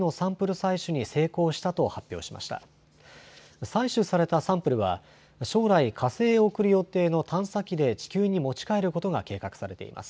採取されたサンプルは将来、火星へ送る予定の探査機で地球に持ち帰ることが計画されています。